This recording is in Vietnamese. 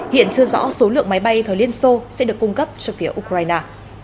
hiện chưa rõ số lượng máy bay thời liên xô sẽ được cung cấp cho phía ukraine